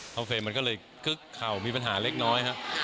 เฮ้มมันก็เลยกึ๊กเข่ามีปัญหาเล็กน้อยค่ะ